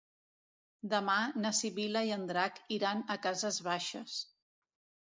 Demà na Sibil·la i en Drac iran a Cases Baixes.